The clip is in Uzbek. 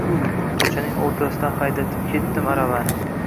Ko‘chaning o‘rtasidan haydatib ketdim aravani.